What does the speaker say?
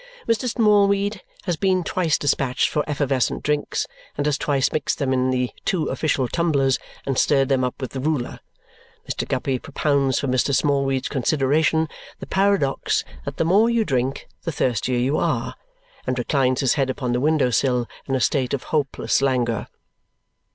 Mr. Smallweed has been twice dispatched for effervescent drinks, and has twice mixed them in the two official tumblers and stirred them up with the ruler. Mr. Guppy propounds for Mr. Smallweed's consideration the paradox that the more you drink the thirstier you are and reclines his head upon the window sill in a state of hopeless languor.